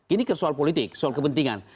ini kan soal politik soal kepentingan